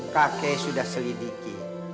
kakek sudah selidiki